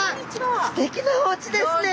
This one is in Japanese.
すてきなおうちですね。